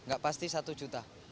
gak pasti satu juta